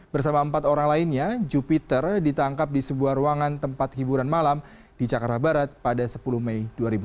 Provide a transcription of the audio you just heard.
bersama empat orang lainnya jupiter ditangkap di sebuah ruangan tempat hiburan malam di jakarta barat pada sepuluh mei dua ribu delapan belas